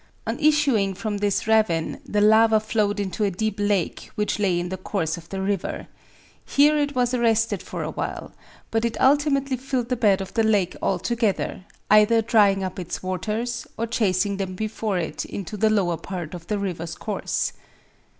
On issuing from this ravine, the lava flowed into a deep lake which lay in the course of the river. Here it was arrested for a while; but it ultimately filled the bed of the lake altogether either drying up its waters, or chasing them before it into the lower part of the river's course.